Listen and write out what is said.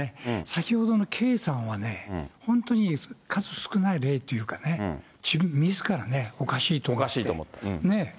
先ほどのＫさんは、本当に数少ない例っていうかね、自分みずからね、おかしいと思ってね。